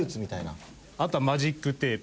あとはマジックテープの。